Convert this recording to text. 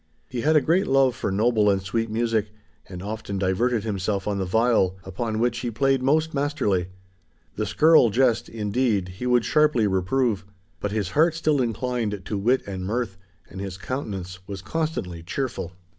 He had a great love for noble and sweet music, and often diverted himself on the viol, upon which he played most masterly. The scurril jest, indeed, he would sharply reprove; but his heart still inclined to wit and mirth, and his countenance was constantly cheerful.